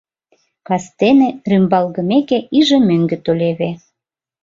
Кастене, рӱмбалгымеке иже мӧҥгӧ толеве.